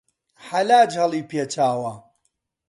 حەلاج هەڵی پێچاوە